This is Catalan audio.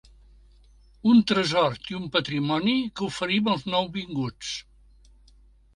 Un tresor i un patrimoni que oferim als nouvinguts.